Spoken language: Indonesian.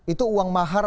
itu uang mahar